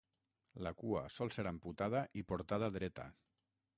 La cua sol ser amputada i portada dreta.